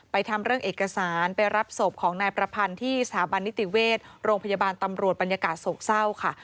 ทำเรื่องเอกสารไปรับศพของนายประพันธ์ที่สถาบันนิติเวชโรงพยาบาลตำรวจบรรยากาศโศกเศร้าค่ะ